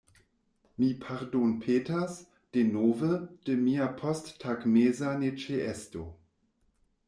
Mi pardonpetas, denove, de mia posttagmeza neĉeesto.